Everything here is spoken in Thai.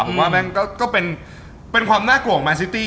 ผมว่ามันก็เป็นความหน้ากลัวกับแม่สิตี้